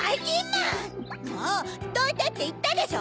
もうどいてっていったでしょ！